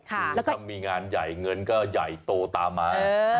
คือถ้ามีงานใหญ่เงินก็ใหญ่โตตามมา